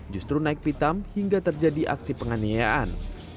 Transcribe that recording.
justru naik pitam hingga terjadi aksi penganiayaan